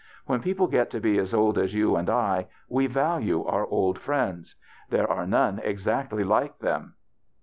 When people get to be as old as you and I we value our old friends. There are none exactly like them."